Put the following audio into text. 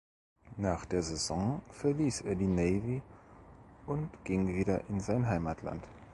Nach der Saison verließ er die Navy und ging wieder in sein Heimatland.